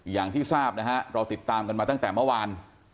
อย่างที่ทราบนะฮะเราติดตามกันมาตั้งแต่เมื่อวาน